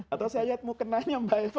atau saya lihat mu kenanya mbak elva